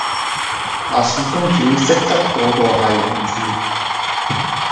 白雪公主識得果個系王子